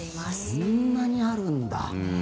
そんなにあるんだ。